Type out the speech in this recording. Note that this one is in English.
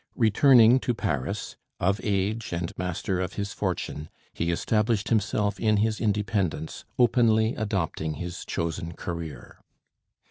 Returning to Paris, of age and master of his fortune, he established himself in his independence, openly adopting his chosen career.